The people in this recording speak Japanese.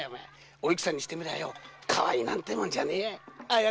おゆきさんにしてみりゃかわいいなんてもんじゃねえあやかりたいや。